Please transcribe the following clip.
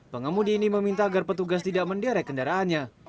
pengemudi ini meminta agar petugas tidak menderek kendaraannya